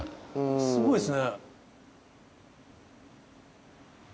すごいですね。